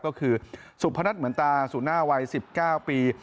ก็คือสุพนัทเหมือนตาสุน่าวัย๑๙ปี